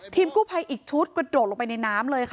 ทีมกู้ไพรอีกชุดก็โดดลงไปในน้ำเลย